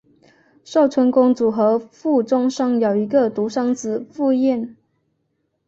寿春公主和傅忠生有一个独生子傅彦。